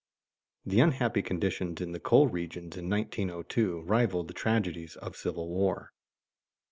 The unhappy conditions in the coal regions in 1902 rivaled the tragedies of civil war.